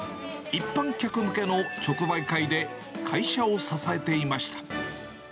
一般客向けの直売会で会社を支えていました。